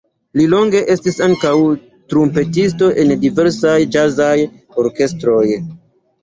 Li longe estis ankaŭ trumpetisto en diversaj ĵazaj orkestroj.